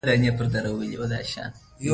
سندرې د شناخت او حافظې سره مرسته کوي.